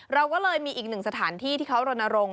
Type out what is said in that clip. เราก็เลยมีอีกหนึ่งสถานที่ที่เขารณรงค